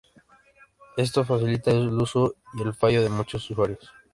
Eso facilita el uso y el fallo de muchos usuarios.